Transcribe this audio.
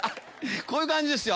こういう感じですよ。